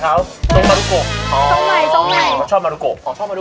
อ้าวเหรอเป็นกองการเหรอ